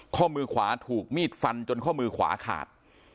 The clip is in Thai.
ข้อมือขวาถูกมีดฟันจนข้อมือขวาขาด